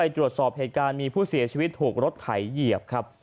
ตรวจสอบเหตุการณ์มีผู้เสียชีวิตถูกรถไถเหยียบครับ